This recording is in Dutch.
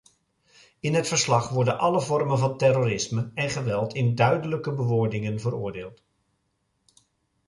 In het verslag worden alle vormen van terrorisme en geweld in duidelijke bewoordingen veroordeeld.